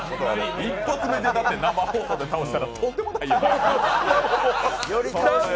一発目で生放送で倒したらとんでもないよね。